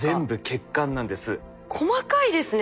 細かいですね。